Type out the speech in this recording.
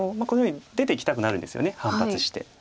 このように出ていきたくなるんですよね反発して。